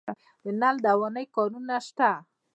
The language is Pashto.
د نل دوانۍ کارونه شته